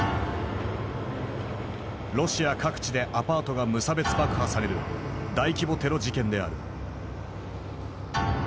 ロシア各地でアパートが無差別爆破される大規模テロ事件である。